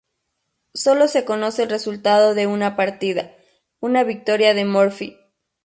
Sólo se conoce el resultado de una partida, una victoria de Morphy.